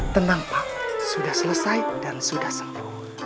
tenang pak sudah selesai dan sudah sembuh